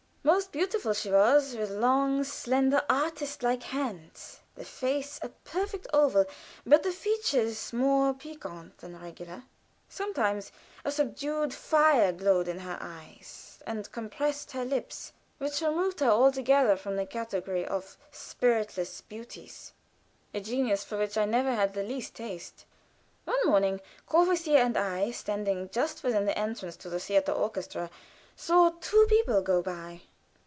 Most beautiful she was; with long, slender, artist like hands, the face a perfect oval, but the features more piquant than regular; sometimes a subdued fire glowed in her eyes and compressed her lips, which removed her altogether from the category of spiritless beauties a genus for which I never had the least taste. One morning Courvoisier and I, standing just within the entrance to the theater orchestra, saw two people go by.